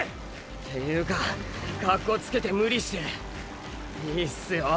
ていうかカッコつけて無理していいすよ！！